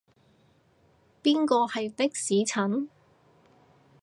邊個係的士陳？